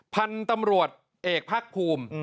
พันธุ์ตำรวจเอกภาคภูมิ